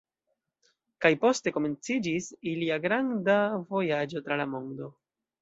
Kaj poste komenciĝis ilia granda vojaĝo tra la mondo.